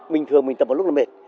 mình thường mình tập một lúc là mệt